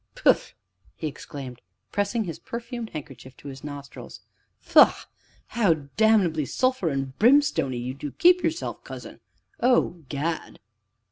Poof!" he exclaimed, pressing his perfumed handkerchief to his nostrils, "faugh! how damnably sulphur and brimstony you do keep yourself, cousin oh, gad!"